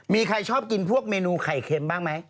มีใครชอบกินพวกเมนูไข่เค็มบ้างไหม